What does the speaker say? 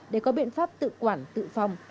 để có biện pháp tự quản tự phòng